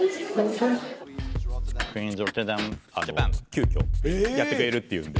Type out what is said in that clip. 急きょやってくれるっていうんで。